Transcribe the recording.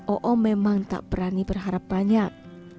oom memang tak berani berharap banyak